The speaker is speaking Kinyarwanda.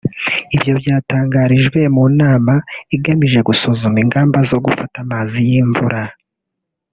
Ibyo byatangarijwe mu nama igamije gusuzuma ingamba zo gufata amazi y’imvura